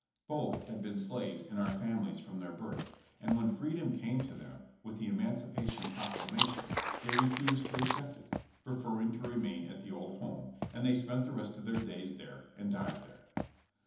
Both had been slaves in our families from their birth, and when freedom came to them with the Emancipation Proclamation they refused to accept it, preferring to remain at the old home, and they spent the rest of their days there and died there.